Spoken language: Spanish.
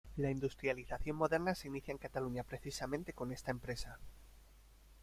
La industrialización moderna se inicia en Cataluña precisamente con esta empresa.